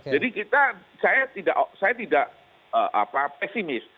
jadi kita saya tidak pesimis